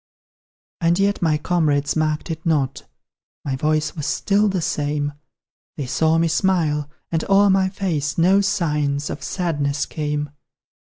And yet my comrades marked it not: My voice was still the same; They saw me smile, and o'er my face No signs of sadness came.